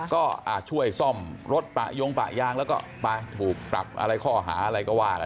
ก็ช่วยซ่อมรถปะยงปะยางแล้วก็ไปถูกปรับอะไรข้อหาอะไรก็ว่ากัน